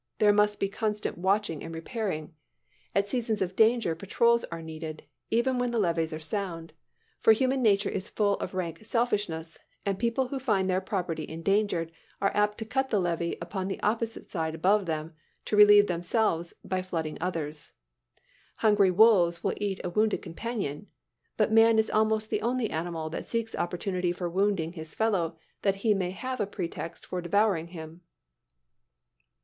There must be constant watching and repairing. At seasons of danger, patrols are needed, even when the levees are [Illustration: DESERTED FARMHOUSE.] sound; for human nature is full of rank selfishness, and people who find their property endangered are apt to cut the levee upon the opposite side above them, to relieve themselves by flooding others. Hungry wolves will eat a wounded companion; but man is almost the only animal that seeks an opportunity for wounding his fellow that he may have a pretext for devouring him.